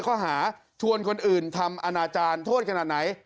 ข้อหาชวนคนอื่นทำอนาจารย์โทษขนาดไหน